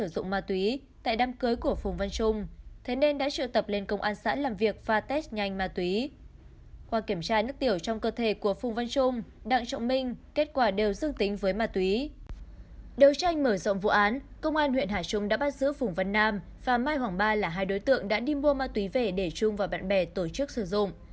đấu tranh mở rộng vụ án công an huyện hà trung đã bắt giữ phùng văn nam và mai hoàng ba là hai đối tượng đã đi mua ma túy vẻ để trung và bạn bè tổ chức sử dụng